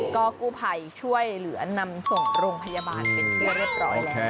ก็กู้ภัยช่วยเหลือนำส่งโรงพยาบาลเป็นที่เรียบร้อยแล้ว